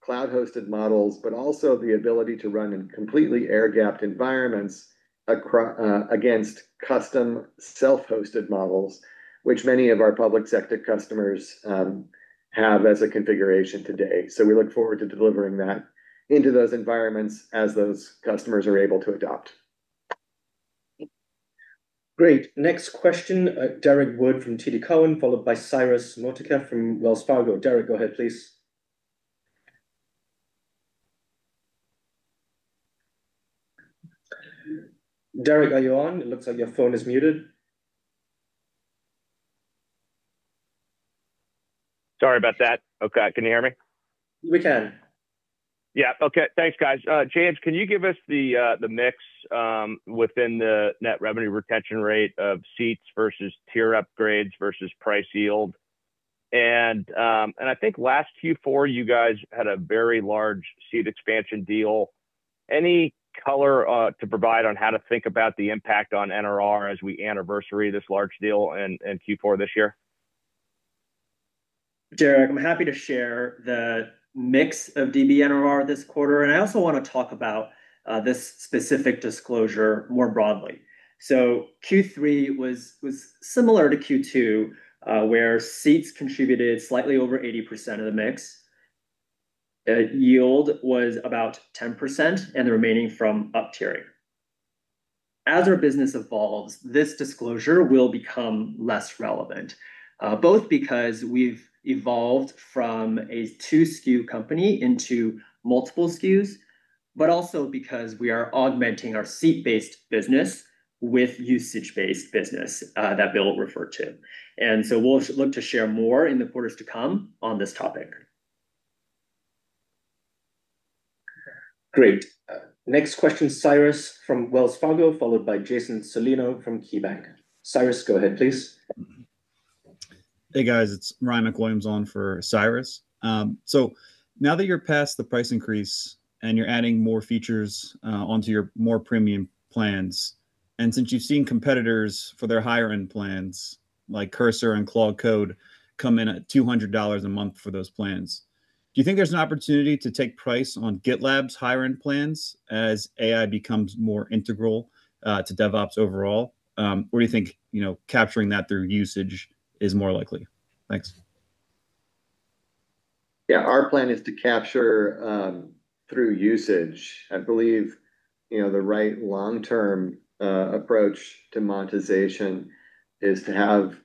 Speaker 3: cloud-hosted models, but also the ability to run in completely air-gapped environments or against custom self-hosted models, which many of our public sector customers have as a configuration today. So we look forward to delivering that into those environments as those customers are able to adopt.
Speaker 2: Great. Next question, Derrick Wood from TD Cowen, followed by Cyrus [Motika] from Wells Fargo. Derrik, go ahead, please. Derrik, are you on? It looks like your phone is muted.
Speaker 13: Sorry about that. Okay, can you hear me? We can. Yeah, okay. Thanks, guys. James, can you give us the mix within the net revenue retention rate of seats versus tier upgrades versus price yield? And I think last Q4 you guys had a very large seat expansion deal. Any color to provide on how to think about the impact on NRR as we anniversary this large deal and Q4 this year?
Speaker 4: Derrick, I'm happy to share the mix of DBNR this quarter, and I also want to talk about this specific disclosure more broadly. So Q3 was similar to Q2, where seats contributed slightly over 80% of the mix. Yield was about 10% and the remaining from up tiering. As our business evolves, this disclosure will become less relevant, both because we've evolved from a two SKU company into multiple SKUs, but also because we are augmenting our seat-based business with usage-based business that Bill referred to. And so we'll look to share more in the quarters to come on this topic.
Speaker 2: Great. Next question, Cyrus from Wells Fargo, followed by Jason Celino from KeyBanc. Cyrus, go ahead, please.
Speaker 14: Hey, guys, it's Ryan MacWilliams on for Cyrus. So now that you're past the price increase and you're adding more features onto your more premium plans, and since you've seen competitors for their higher-end plans like Cursor and Claude Code come in at $200 a month for those plans, do you think there's an opportunity to take price on GitLab's higher-end plans as AI becomes more integral to DevOps overall? Or do you think, you know, capturing that through usage is more likely? Thanks.
Speaker 3: Yeah, our plan is to capture through usage. I believe, you know, the right long-term approach to monetization is to have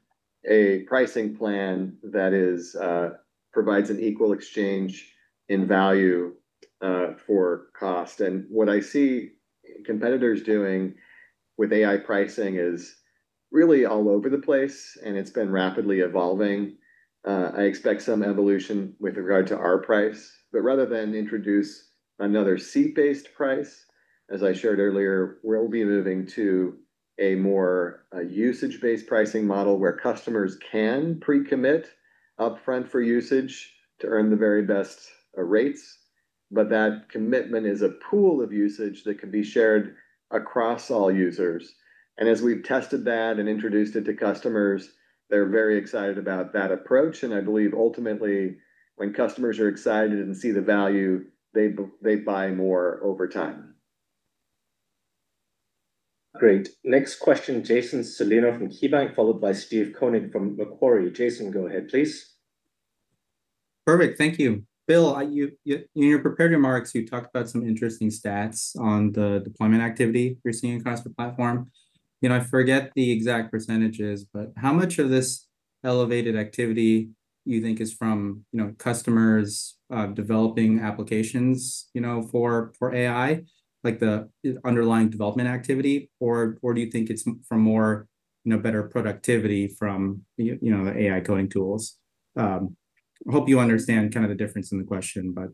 Speaker 3: a pricing plan that is provides an equal exchange in value for cost, and what I see competitors doing with AI pricing is really all over the place, and it's been rapidly evolving. I expect some evolution with regard to our price, but rather than introduce another seat-based price, as I shared earlier, we'll be moving to a more usage-based pricing model where customers can pre-commit upfront for usage to earn the very best rates. But that commitment is a pool of usage that can be shared across all users. And as we've tested that and introduced it to customers, they're very excited about that approach. And I believe ultimately, when customers are excited and see the value, they buy more over time.
Speaker 2: Great. Next question, Jason Celino from KeyBanc, followed by Steve Koenig from Macquarie. Jason, go ahead, please.
Speaker 15: Perfect, thank you. Bill, you, in your prepared remarks, you talked about some interesting stats on the deployment activity you're seeing across the platform. You know, I forget the exact percentages, but how much of this elevated activity you think is from, you know, customers developing applications, you know, for AI, like the underlying development activity, or do you think it's from more, you know, better productivity from, you know, the AI coding tools? I hope you understand kind of the difference in the question, but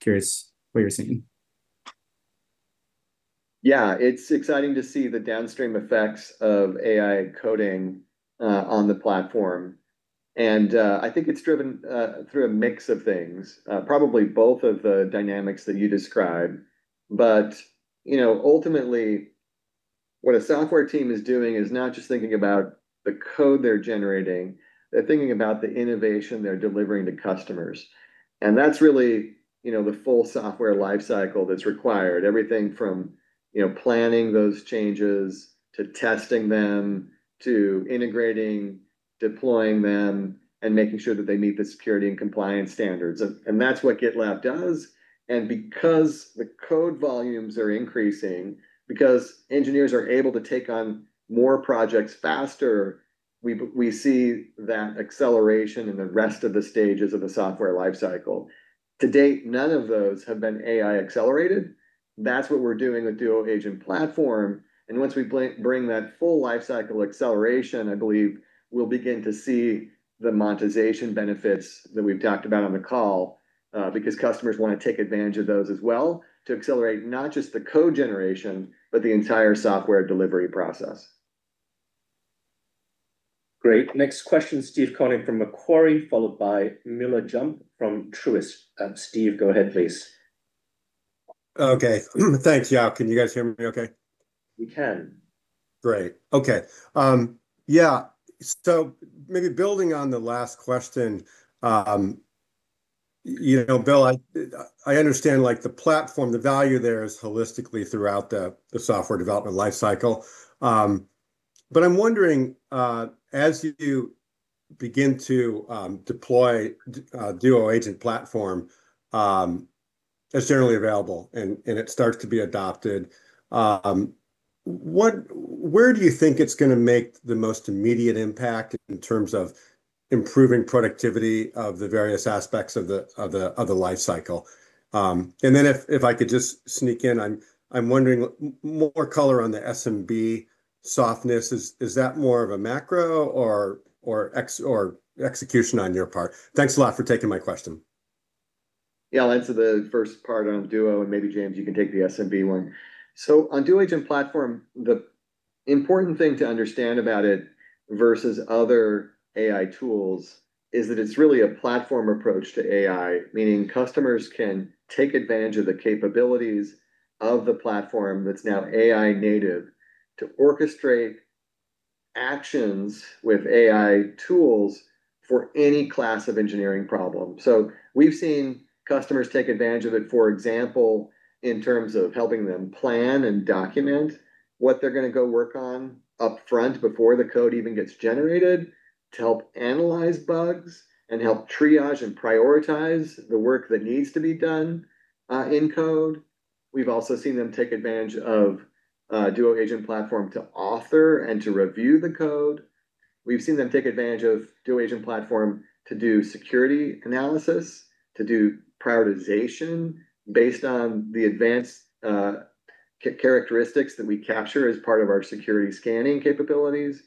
Speaker 15: curious what you're seeing.
Speaker 3: Yeah, it's exciting to see the downstream effects of AI coding on the platform. And I think it's driven through a mix of things, probably both of the dynamics that you describe. But you know, ultimately, what a software team is doing is not just thinking about the code they're generating, they're thinking about the innovation they're delivering to customers. And that's really, you know, the full software lifecycle that's required, everything from, you know, planning those changes to testing them to integrating, deploying them, and making sure that they meet the security and compliance standards. And that's what GitLab does. And because the code volumes are increasing, because engineers are able to take on more projects faster, we see that acceleration in the rest of the stages of the software lifecycle. To date, none of those have been AI accelerated. That's what we're doing with GitLab Duo Agent Platform. And once we bring that full lifecycle acceleration, I believe we'll begin to see the monetization benefits that we've talked about on the call, because customers want to take advantage of those as well to accelerate not just the code generation, but the entire software delivery process.
Speaker 2: Great. Next question, Steve Koenig from Macquarie, followed by Miller Jump from Truist. Steve, go ahead, please.
Speaker 16: Okay, thanks. Yeah, can you guys hear me okay?
Speaker 2: We can.
Speaker 16: Great. Okay. Yeah, so maybe building on the last question, you know, Bill, I understand like the platform, the value there is holistically throughout the software development lifecycle. But I'm wondering, as you begin to deploy Duo Agent Platform, as generally available and it starts to be adopted, where do you think it's going to make the most immediate impact in terms of improving productivity of the various aspects of the lifecycle? And then if I could just sneak in, I'm wondering more color on the SMB softness. Is that more of a macro or execution on your part? Thanks a lot for taking my question.
Speaker 3: Yeah, I'll answer the first part on GitLab Duo, and maybe James, you can take the SMB one. So on GitLab Duo Agent Platform, the important thing to understand about it versus other AI tools is that it's really a platform approach to AI, meaning customers can take advantage of the capabilities of the platform that's now AI native to orchestrate actions with AI tools for any class of engineering problem. So we've seen customers take advantage of it, for example, in terms of helping them plan and document what they're going to go work on upfront before the code even gets generated to help analyze bugs and help triage and prioritize the work that needs to be done, in code. We've also seen them take advantage of GitLab Duo Agent Platform to author and to review the code. We've seen them take advantage of GitLab Duo Agent Platform to do security analysis, to do prioritization based on the advanced characteristics that we capture as part of our security scanning capabilities.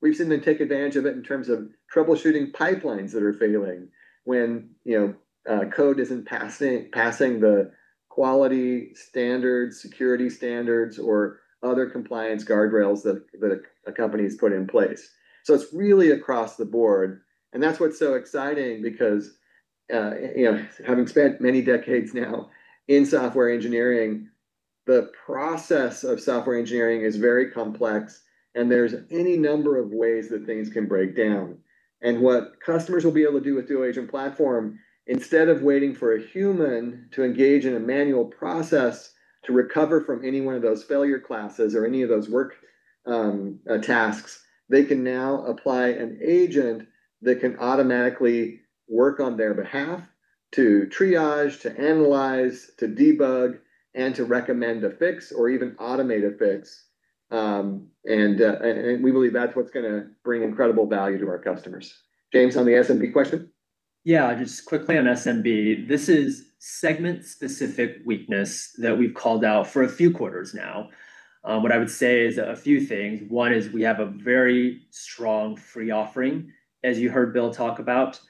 Speaker 3: We've seen them take advantage of it in terms of troubleshooting pipelines that are failing when, you know, code isn't passing the quality standards, security standards, or other compliance guardrails that a company has put in place, so it's really across the board, and that's what's so exciting because, you know, having spent many decades now in software engineering, the process of software engineering is very complex, and there's any number of ways that things can break down. And what customers will be able to do with Duo Agent Platform, instead of waiting for a human to engage in a manual process to recover from any one of those failure classes or any of those work tasks, they can now apply an agent that can automatically work on their behalf to triage, to analyze, to debug, and to recommend a fix or even automate a fix. And we believe that's what's going to bring incredible value to our customers. James, on the SMB question?
Speaker 4: Yeah, just quickly on SMB, this is segment-specific weakness that we've called out for a few quarters now. What I would say is a few things. One is we have a very strong free offering, as you heard Bill talk about,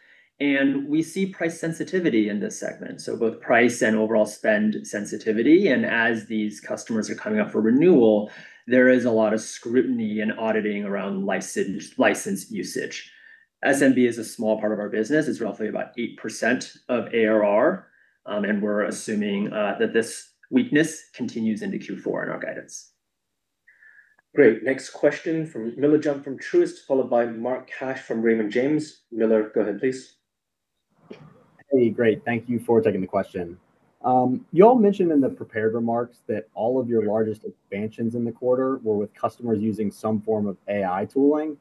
Speaker 4: and we see price sensitivity in this segment. So both price and overall spend sensitivity. And as these customers are coming up for renewal, there is a lot of scrutiny and auditing around licensed usage. SMB is a small part of our business. It's roughly about 8% of ARR, and we're assuming that this weakness continues into Q4 in our guidance.
Speaker 2: Great. Next question from Miller Jump from Truist, followed by Mark Cash from Raymond James. Miller, go ahead, please.
Speaker 17: Hey, great. Thank you for taking the question. You all mentioned in the prepared remarks that all of your largest expansions in the quarter were with customers using some form of AI tooling.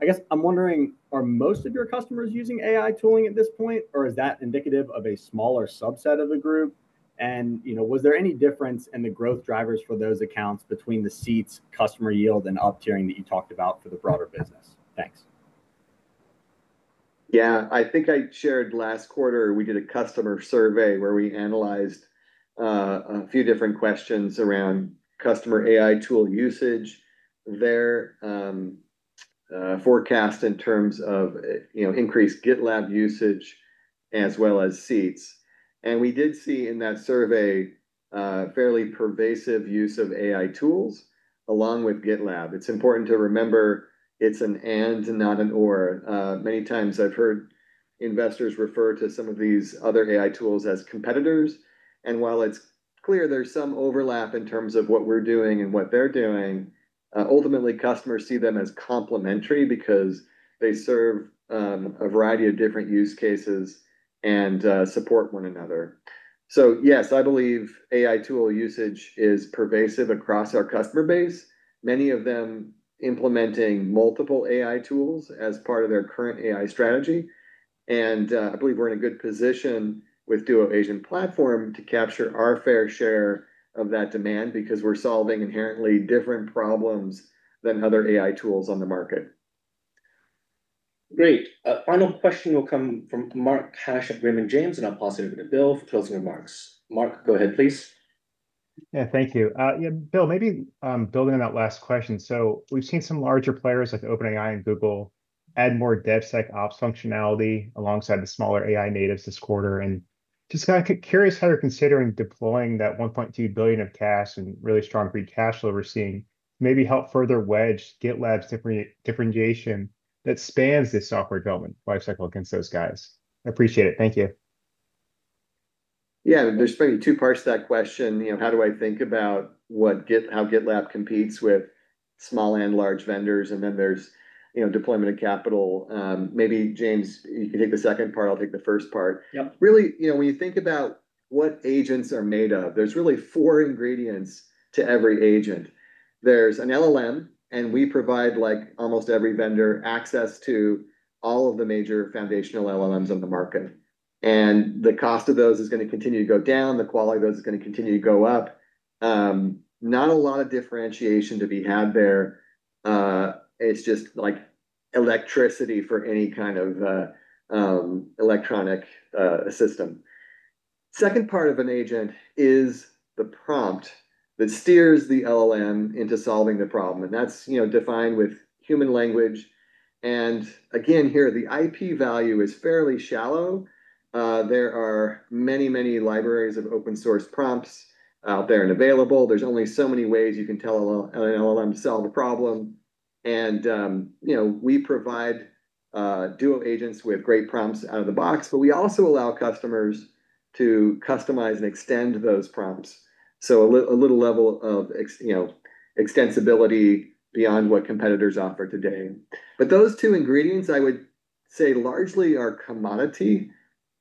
Speaker 17: I guess I'm wondering, are most of your customers using AI tooling at this point, or is that indicative of a smaller subset of the group? You know, was there any difference in the growth drivers for those accounts between the seats, customer yield, and up tiering that you talked about for the broader business? Thanks.
Speaker 3: Yeah, I think I shared last quarter. We did a customer survey where we analyzed a few different questions around customer AI tool usage, their forecast in terms of, you know, increased GitLab usage as well as seats. We did see in that survey fairly pervasive use of AI tools along with GitLab. It's important to remember it's an and not an or. Many times I've heard investors refer to some of these other AI tools as competitors. While it's clear there's some overlap in terms of what we're doing and what they're doing, ultimately customers see them as complementary because they serve a variety of different use cases and support one another. So yes, I believe AI tool usage is pervasive across our customer base, many of them implementing multiple AI tools as part of their current AI strategy. And I believe we're in a good position with Duo Agent Platform to capture our fair share of that demand because we're solving inherently different problems than other AI tools on the market.
Speaker 2: Great. Final question will come from Mark Cash at Raymond James, and I'll pass it over to Bill for closing remarks. Mark, go ahead, please.
Speaker 18: Yeah, thank you. Yeah, Bill, maybe building on that last question. So we've seen some larger players like OpenAI and Google add more DevSecOps functionality alongside the smaller AI natives this quarter. And just kind of curious how you're considering deploying that $1.2 billion of cash and really strong free cash flow we're seeing maybe help further wedge GitLab's differentiation that spans this software development lifecycle against those guys. I appreciate it. Thank you.
Speaker 3: Yeah, there's probably two parts to that question. You know, how do I think about what GitLab competes with small and large vendors? And then there's, you know, deployment of capital. Maybe James, you can take the second part. I'll take the first part.
Speaker 4: Yeah,
Speaker 3: really, you know, when you think about what agents are made of, there's really four ingredients to every agent. There's an LLM, and we provide, like almost every vendor, access to all of the major foundational LLMs on the market. And the cost of those is going to continue to go down. The quality of those is going to continue to go up. Not a lot of differentiation to be had there. It's just like electricity for any kind of electronic system. Second part of an agent is the prompt that steers the LLM into solving the problem. And that's, you know, defined with human language. And again, here, the IP value is fairly shallow. There are many, many libraries of open source prompts out there and available. There's only so many ways you can tell an LLM to solve a problem. And, you know, we provide Duo agents with great prompts out of the box, but we also allow customers to customize and extend those prompts. So a little level of, you know, extensibility beyond what competitors offer today. But those two ingredients, I would say largely are commodity.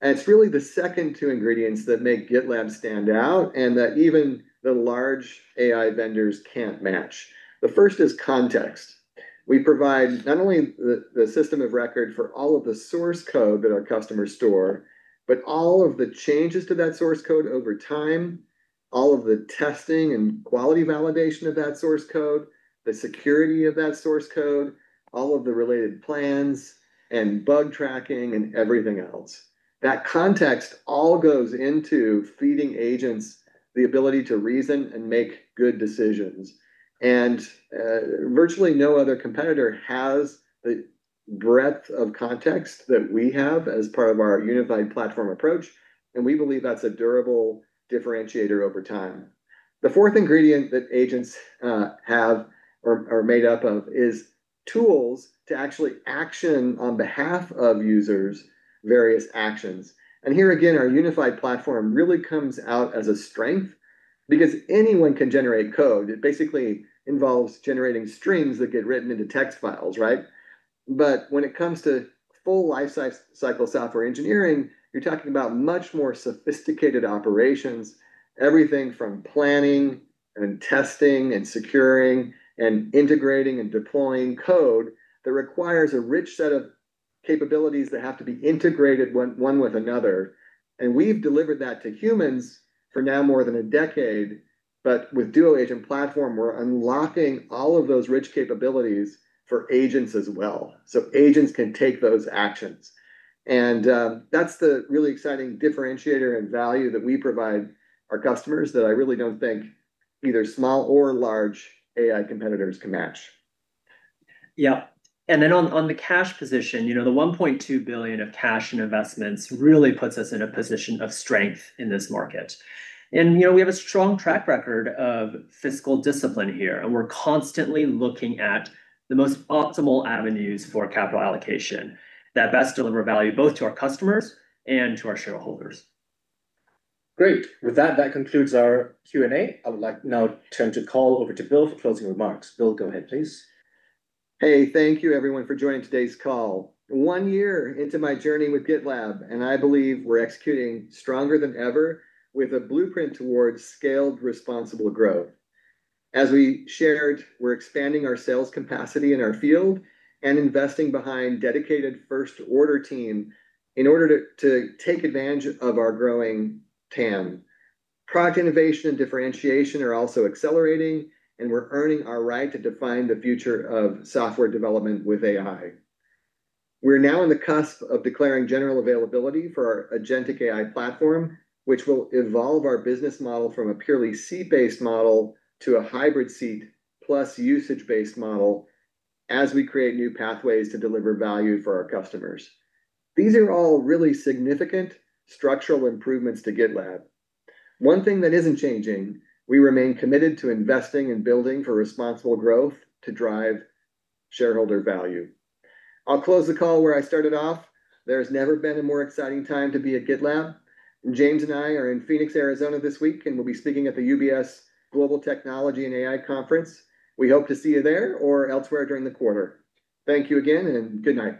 Speaker 3: And it's really the second two ingredients that make GitLab stand out and that even the large AI vendors can't match. The first is context. We provide not only the system of record for all of the source code that our customers store, but all of the changes to that source code over time, all of the testing and quality validation of that source code, the security of that source code, all of the related plans and bug tracking and everything else. That context all goes into feeding agents the ability to reason and make good decisions. And virtually no other competitor has the breadth of context that we have as part of our unified platform approach. And we believe that's a durable differentiator over time. The fourth ingredient that agents have or are made up of is tools to actually action on behalf of users various actions. And here again, our unified platform really comes out as a strength because anyone can generate code. It basically involves generating strings that get written into text files, right? But when it comes to full lifecycle software engineering, you're talking about much more sophisticated operations, everything from planning and testing and securing and integrating and deploying code that requires a rich set of capabilities that have to be integrated one with another. And we've delivered that to humans for now more than a decade. But with Duo Agent Platform, we're unlocking all of those rich capabilities for agents as well. So agents can take those actions. And that's the really exciting differentiator and value that we provide our customers that I really don't think either small or large AI competitors can match.
Speaker 4: Yeah. And then on the cash position, you know, the $1.2 billion of cash and investments really puts us in a position of strength in this market. And, you know, we have a strong track record of fiscal discipline here, and we're constantly looking at the most optimal avenues for capital allocation that best deliver value both to our customers and to our shareholders.
Speaker 2: Great. With that, that concludes our Q&A. I would like now to turn the call over to Bill for closing remarks. Bill, go ahead, please.
Speaker 3: Hey, thank you everyone for joining today's call. One year into my journey with GitLab, and I believe we're executing stronger than ever with a blueprint towards scaled responsible growth. As we shared, we're expanding our sales capacity in our field and investing behind dedicated first order team in order to take advantage of our growing TAM. Product innovation and differentiation are also accelerating, and we're earning our right to define the future of software development with AI. We're now on the cusp of declaring general availability for our agentic AI platform, which will evolve our business model from a purely seat-based model to a hybrid seat plus usage-based model as we create new pathways to deliver value for our customers. These are all really significant structural improvements to GitLab. One thing that isn't changing, we remain committed to investing and building for responsible growth to drive shareholder value. I'll close the call where I started off. There's never been a more exciting time to be at GitLab. And James and I are in Phoenix, Arizona this week, and we'll be speaking at the UBS Global Technology and AI Conference. We hope to see you there or elsewhere during the quarter. Thank you again, and good night.